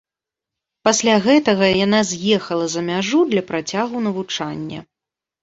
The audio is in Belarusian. Пасля гэтага яна з'ехала за мяжу для працягу навучання.